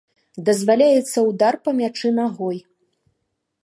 Дазваляецца ўдар па мячы нагой.